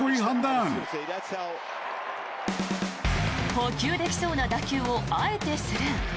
捕球できそうな打球をあえてスルー。